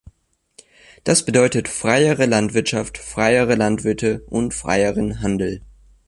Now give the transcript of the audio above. Das bedeutet freiere Landwirtschaft, freiere Landwirte und freieren Handel.